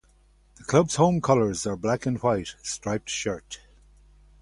The club's home colours are a black and white striped shirt.